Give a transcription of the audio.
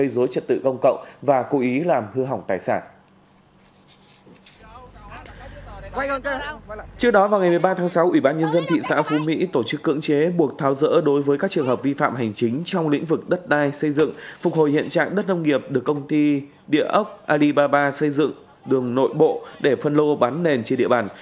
đó là ngày một mươi ba tháng sáu ủy ban nhân dân thị xã phú mỹ tổ chức cưỡng chế buộc tháo dỡ đối với các trường hợp vi phạm hành chính trong lĩnh vực đất đai xây dựng phục hồi hiện trạng đất nông nghiệp được công ty địa ốc alibaba xây dựng đường nội bộ để phân lô bán nền trên địa bàn